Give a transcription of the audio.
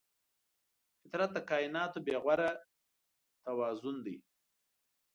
فطرت د کایناتو بېغوره توازن دی.